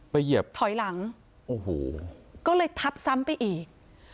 เหยียบถอยหลังโอ้โหก็เลยทับซ้ำไปอีก